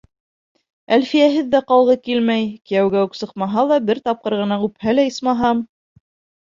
Әлфиәһеҙ ҙә ҡалғы килмәй, кейәүгә үк сыҡмаһа ла, бер тапҡыр ғына үпһә лә, исмаһам.